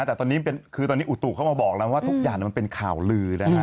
แต่ตอนนี้อุตุเขามาบอกแล้วว่าทุกอย่างมันเป็นข่าวลือ